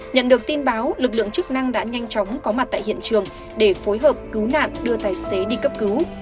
nhận được tin báo lực lượng chức năng đã nhanh chóng có mặt tại hiện trường để phối hợp cứu nạn đưa tài xế đi cấp cứu